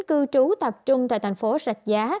cư trú tập trung tại thành phố rạch giá